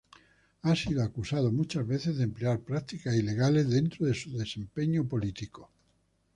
Ha sido acusado muchas veces de emplear prácticas ilegales dentro de su desempeño político.